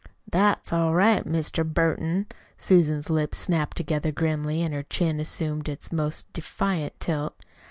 "That's all right, Mr. Burton." Susan's lips snapped together grimly and her chin assumed its most defiant tilt.